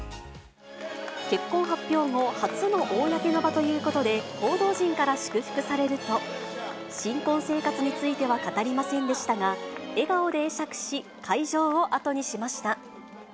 結婚発表後、初の公の場ということで、報道陣から祝福されると、新婚生活については語りませんでしたが、笑顔で会釈し、会場を後にしました。